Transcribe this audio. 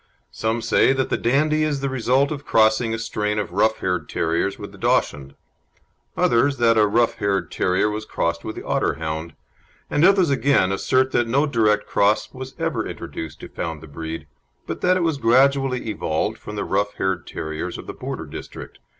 Some say that the Dandie is the result of crossing a strain of rough haired terriers with the Dachshund; others that a rough haired terrier was crossed with the Otterhound; and others again assert that no direct cross was ever introduced to found the breed, but that it was gradually evolved from the rough haired terriers of the Border district.